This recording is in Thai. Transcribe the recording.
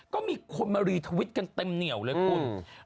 ก็มีคนมารีทวิตกันเต็มเหนียวเลยคุณ